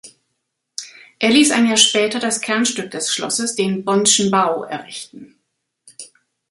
Er ließ ein Jahr später das Kernstück des Schlosses, den Bonn’schen Bau, errichten.